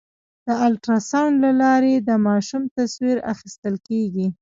د الټراساونډ له لارې د ماشوم تصویر اخیستل کېږي.